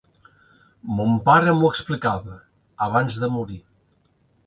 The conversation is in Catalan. Mon pare m'ho explicava, abans de morir.